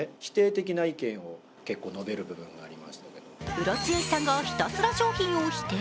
ムロツヨシさんがひたすら商品を否定？